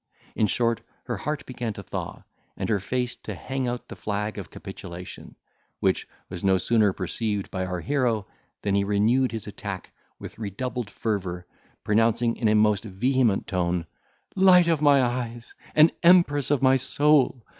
In short, her heart began to thaw, and her face to hang out the flag of capitulation; which was no sooner perceived by our hero, than he renewed his attack with redoubled fervour, pronouncing in a most vehement tone, "Light of my eyes, and empress of my soul!